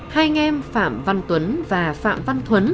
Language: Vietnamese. hai anh em phạm văn tuấn và phạm văn thuấn